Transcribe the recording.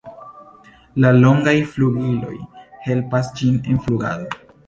La longaj flugiloj helpas ĝin en flugado.